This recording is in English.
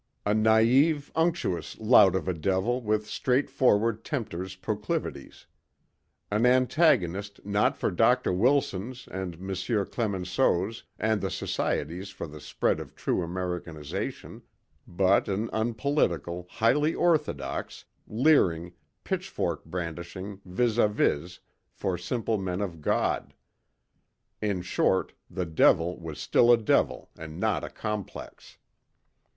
A naive, unctuous lout of a Devil with straightforward Tempter's proclivities. An antagonist not for Dr. Wilsons and M. Clemenceaus and the Societies for the Spread of True Americanization, but an unpolitical, highly orthodox, leering, pitchfork brandishing vis â vis for simple men of God. In short, the Devil was still a Devil and not a Complex.